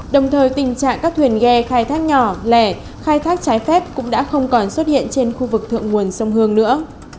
đồng thời tình trạng các thuyền ghe khai thác nhỏ lẻ khai thác trái phép cũng đã không còn xuất hiện trên khu vực thượng nguồn sông hương nữa